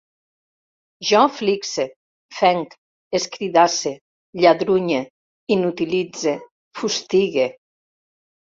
Jo flixe, fenc, escridasse, lladrunye, inutilitze, fustigue